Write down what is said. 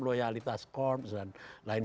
loyalitas korps dan lain